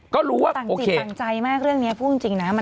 ก็รู้ว่าต่างจิตต่างใจมากเรื่องนี้พูดจริงนะ